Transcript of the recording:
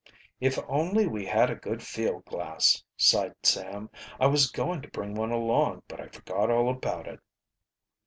"If only we had a good field glass," sighed Sam. "I was going to bring one along, but I forgot all about it."